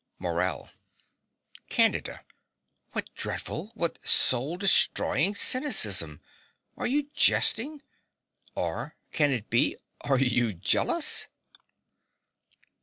MORELL. Candida: what dreadful, what soul destroying cynicism! Are you jesting? Or can it be? are you jealous?